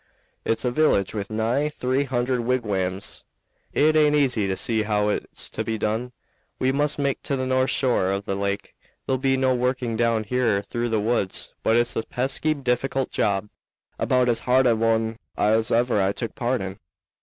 It's a village with nigh three hundred wigwams." "It aint easy to see how it's to be done. We must make to the north shore of the lake. There'll be no working down here through the woods; but it's a pesky difficult job about as hard a one as ever I took part in."